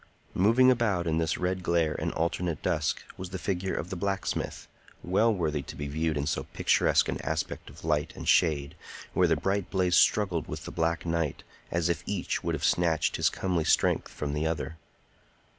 Moving about in this red glare and alternate dusk was the figure of the blacksmith, well worthy to be viewed in so picturesque an aspect of light and shade, where the bright blaze struggled with the black night, as if each would have snatched his comely strength from the other.